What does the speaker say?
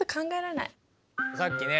さっきね